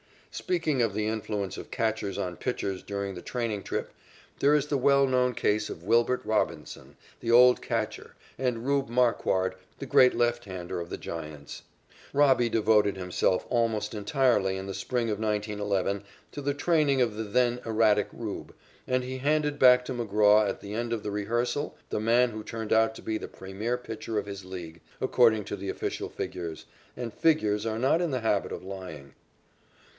Speaking of the influence of catchers on pitchers during the training trip, there is the well known case of Wilbert Robinson, the old catcher, and "Rube" Marquard, the great left handed pitcher of the Giants. "Robbie" devoted himself almost entirely in the spring of 1911 to the training of the then erratic "Rube," and he handed back to McGraw at the end of the rehearsal the man who turned out to be the premier pitcher of his League, according to the official figures, and figures are not in the habit of lying.